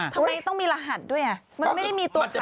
ทำไมต้องมีรหัสด้วยอ่ะมันไม่ได้มีตัวจริง